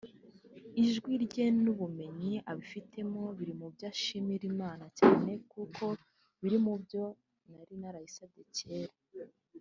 Ijwi rye n’ubumenyi abifitemo biri mu byo nshimira Imana cyane kuko biri mu byo nari narayisabye cyera